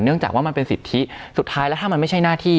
จากว่ามันเป็นสิทธิสุดท้ายแล้วถ้ามันไม่ใช่หน้าที่